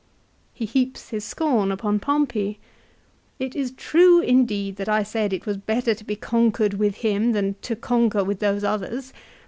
2 He heaps his scorn upon Pompey. "It is true indeed that I said that it was better to be conquered with him than to conquer with those others.